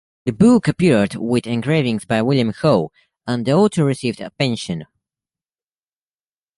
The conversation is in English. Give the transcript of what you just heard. The book appeared with engravings by William Hole, and the author received a pension.